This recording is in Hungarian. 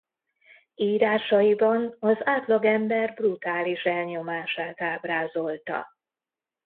Írásaiban az átlagember brutális elnyomását ábrázolta.